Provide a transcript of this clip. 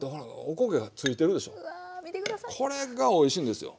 これがおいしいんですよ。